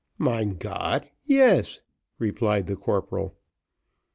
"Mein Gott, yes," replied the corporal.